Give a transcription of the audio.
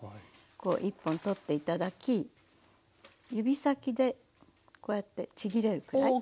こう１本取って頂き指先でこうやってちぎれるくらい。